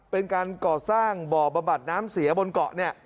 เป็นการก่อสร้างบ่อบำบัดน้ำเสียบนเกาะเนี่ย